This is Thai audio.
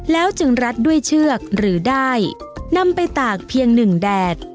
แล้วจึงรัดด้วยเชือกหรือได้นำไปตากเพียงหนึ่งแดด